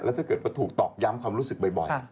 ถ้าเกิดว่าถูกตอกย้ำความรู้สึกบ่อย